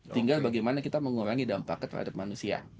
tinggal bagaimana kita mengurangi dampaknya terhadap manusia